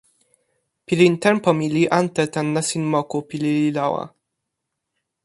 pilin tenpo mi li ante tan nasin moku pi lili lawa.